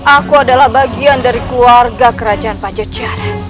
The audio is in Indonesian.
aku adalah bagian dari keluarga kerajaan pajajar